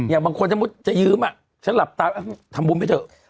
อย่างบางคนถ้ามุติจะยืมฉันหลับตาทำบุญไปเถอะ